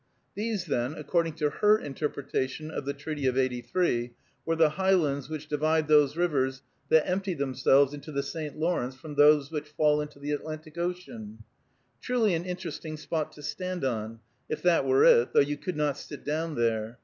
These, then, according to her interpretation of the treaty of '83, were the "highlands which divide those rivers that empty themselves into the St. Lawrence from those which fall into the Atlantic Ocean." Truly an interesting spot to stand on, if that were it, though you could not sit down there.